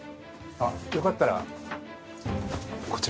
あっよかったらこちら。